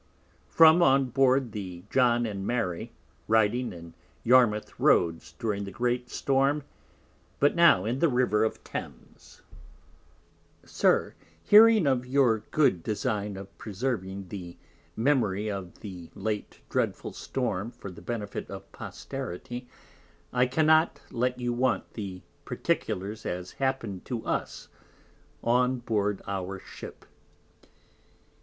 From on board the John and Mary, riding in Yarmouth Roads during the great Storm, but now in the River of Thames. SIR, Hearing of your good Design of preserving the Memory of the late Dreadful Storm for the Benefit of Posterity, I cannot let you want the Particulars as happen'd to us on board our Ship.